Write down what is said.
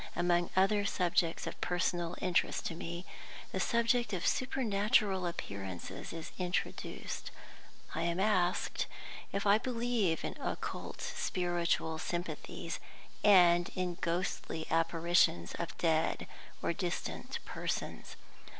Among other subjects of personal interest to me, the subject of supernatural appearances is introduced. I am asked if I believe in occult spiritual sympathies, and in ghostly apparitions of dead or distant persons.